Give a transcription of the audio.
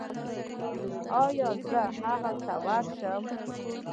ایا زه هغه ته ورشم؟